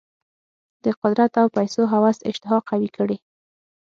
د قدرت او پیسو هوس اشتها قوي کړې.